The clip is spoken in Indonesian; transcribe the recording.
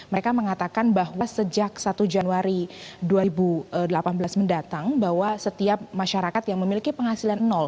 mereka mengatakan bahwa sejak satu januari dua ribu delapan belas mendatang bahwa setiap masyarakat yang memiliki penghasilan